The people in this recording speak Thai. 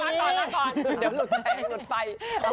เดี๋ยวหลุดไป